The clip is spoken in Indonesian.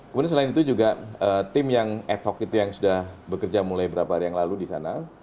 kemudian selain itu juga tim yang ad hoc itu yang sudah bekerja mulai beberapa hari yang lalu di sana